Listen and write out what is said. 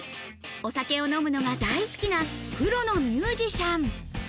お酒を飲むのが大好きなプロのミュージシャン。